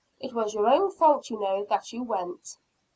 It was your own fault, you know, that you went."